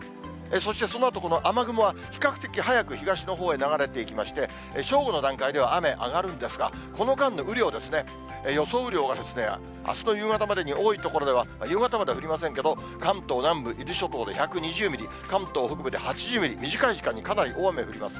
そしてそのあと、この雨雲は比較的はやく東のほうへ流れていきまして、正午の段階では雨、上がるんですが、この間の雨量ですね、予想雨量があすの夕方までに多い所では、夕方まで降りませんけど、関東南部、伊豆諸島で１２０ミリ、関東北部で８０ミリ、短い時間にかなり大雨降ります。